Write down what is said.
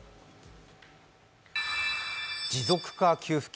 持続化給付金